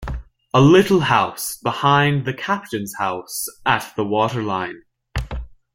A little house behind the captain's house at the waterline.